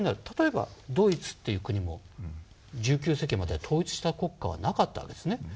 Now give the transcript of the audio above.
例えばドイツという国も１９世紀までは統一した国家はなかったですね。